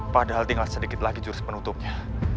padahal tinggal sedikit lagi jurus penutupnya